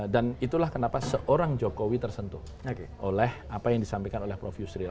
dan itulah kenapa seorang jokowi tersentuh oleh apa yang disampaikan oleh prof yusril